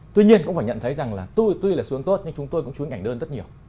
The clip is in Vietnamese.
tuy nhiên cũng phải nhận thấy rằng là tuy là xu hướng tốt nhưng chúng tôi cũng chú ý ảnh đơn rất nhiều